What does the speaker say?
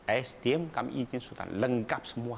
estem kami izin sudah lengkap semua